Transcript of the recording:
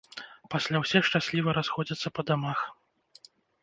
Пасля ўсе шчасліва расходзяцца па дамах.